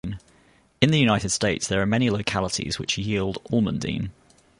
In the United States there are many localities which yield almandine.